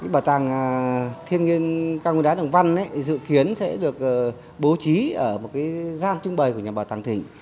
bảo tàng thiên nhiên cao nguyên đá đồng văn dự kiến sẽ được bố trí ở một cái giang trung bày của nhà bà